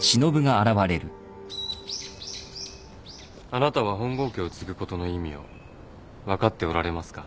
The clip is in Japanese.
あなたは本郷家を継ぐことの意味を分かっておられますか？